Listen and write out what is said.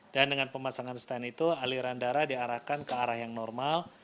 dan dengan pemasangan stand itu aliran darah diarahkan ke arah yang normal